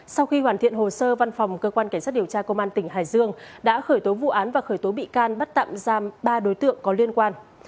sau khi hoàn thiện hồ sơ văn phòng cơ quan cảnh sát điều tra công an tỉnh hải dương đã khởi tố vụ án và khởi tố bị can bắt tạm giam ba đối tượng có liên quan